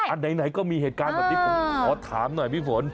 อันไหนก็มีเหตุการณ์ขอถามหน่อยพี่ฝน